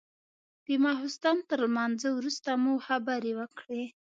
د ماخستن تر لمانځه وروسته مو خبرې وكړې.